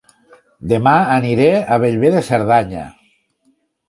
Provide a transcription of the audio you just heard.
Dema aniré a Bellver de Cerdanya